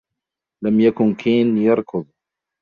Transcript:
لم يكن كين يركض.